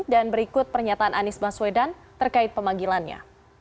dan berikut pernyataan anies baswedan terkait pemanggilannya